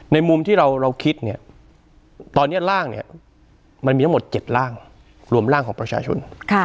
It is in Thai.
มุมที่เราคิดเนี่ยตอนนี้ร่างเนี่ยมันมีทั้งหมด๗ร่างรวมร่างของประชาชน